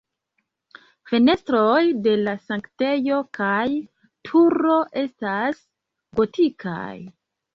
Fenestroj de la sanktejo kaj turo estas gotikaj.